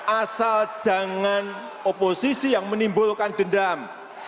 asal jangan oposisi yang menimbulkan dendam